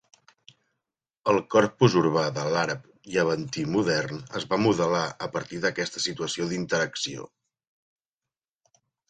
El corpus urbà de l'àrab llevantí modern es va modelar a partir d'aquesta situació d'interacció.